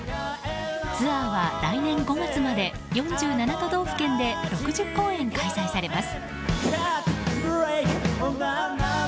ツアーは来年５月まで４７都道府県で６０公演開催されます。